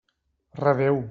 Redéu!